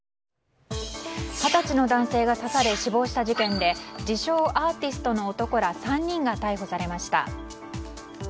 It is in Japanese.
二十歳の男性が刺され死亡した事件で自称アーティストの男ら３人が逮捕されました。